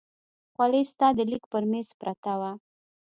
خولۍ ستا د لیک پر مېز پرته وه.